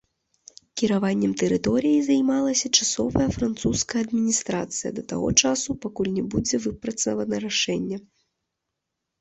Кіраваннем тэрыторыяй займалася часовая французская адміністрацыя да таго часу, пакуль не будзе выпрацавана рашэнне.